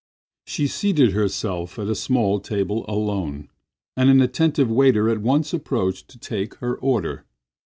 She seated herself at a small table alone, and an attentive waiter at once approached to take her order.